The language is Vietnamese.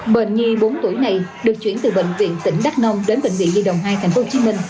bệnh nhi bốn tuổi này được chuyển từ bệnh viện tỉnh đắk nông đến bệnh viện nhi đồng hai tp hcm